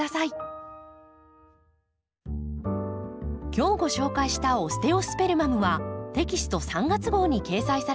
今日ご紹介したオステオスペルマムはテキスト３月号に掲載されています。